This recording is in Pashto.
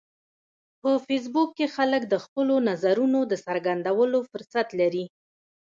په فېسبوک کې خلک د خپلو نظرونو د څرګندولو فرصت لري